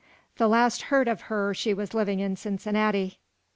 The last heard of her she was living in Cincinnati.